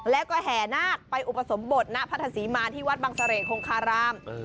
แล้วก็แห่นาคไปอุปสมบทณพระธศรีมาที่วัดบังเสรกคงคาราม